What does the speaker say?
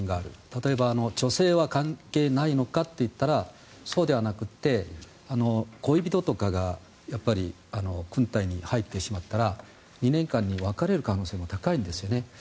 例えば、女性は関係ないのかといったらそうではなくて恋人とかが軍隊に入ってしまったら２年間に別れる可能性が高いんですよね。